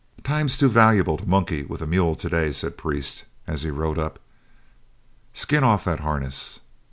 "Time's too valuable to monkey with a mule to day," said Priest, as he rode up; "skin off that harness."